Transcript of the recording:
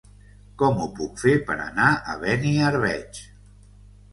Com ho puc fer per anar a Beniarbeig?